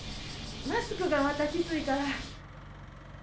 マスクがまたきついから。